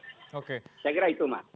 saya kira itu mas